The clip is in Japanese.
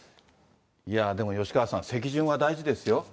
でも吉川さん、席順は大事ですよ。